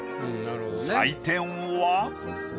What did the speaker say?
採点は。